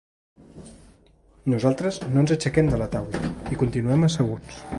Nosaltres no ens aixequem de la taula, hi continuem asseguts.